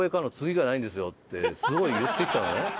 すごい言ってきたのね。